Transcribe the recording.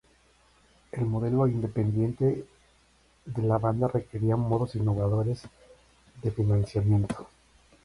El modelo independiente de la banda requería modos innovadores de financiamiento.